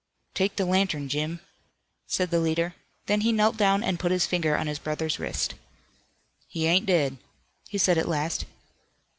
"Take the lantern, Jim," said the leader. Then he knelt down and put his finger on his brother's wrist. "He ain't dead," he said at last.